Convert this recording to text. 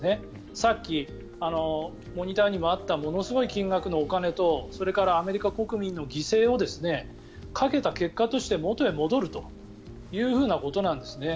さっきモニターにもあったものすごい金額のお金とアメリカ国民の犠牲をかけた結果として元へ戻るというふうなことなんですね。